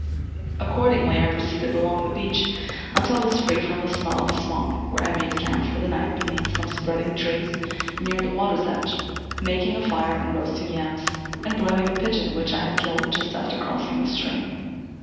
Accordingly I proceeded along the beach until I was free from the smell of the swamp, where I made camp for the night beneath some spreading trees near the water's edge, making a fire and roasting yams, and broiling a pigeon which I had killed just after crossing the stream.